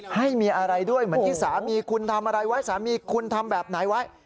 ให้มีอะไรด้วยเหมือนที่สามีคุณทำอะไรไว้สามีคุณทำแบบไหนไว้